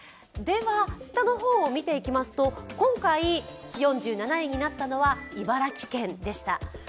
下の方を見ていきますと、今回４７位になったのは茨城県でした。